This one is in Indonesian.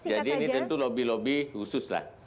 jadi ini tentu lobby lobby khusus lah